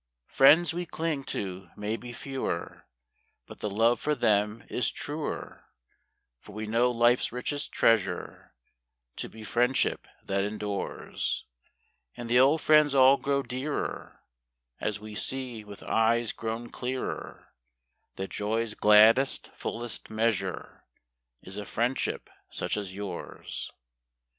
Is a F riends xv)e clinq to mau be fe^Oer, But the loOe jor them is truer; fbr \Oe know life s richest treasure To be friendship that em dures, And the old jriends all qroxO dearer & As vOe see \oith eues qro\On clearer That joq's gladdest, fullest measure ' Is a friendship such as Ljours.